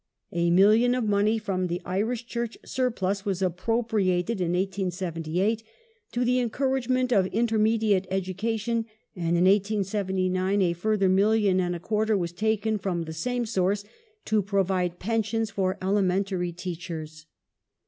A million of money from the Irish Church surplus was appropriated, in 1878, to the encouragement of intermediate education, and in 1879 a further million and a quarter was taken from the same source to provide pensions for elementary teachers.